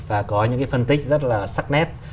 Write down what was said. và có những cái phân tích rất là sắc nét